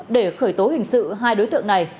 để khởi tố hình sự hai đối tượng này